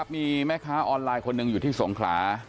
มีแม่ค้าออนไลน์คนหนึ่งอยู่ที่สงขลา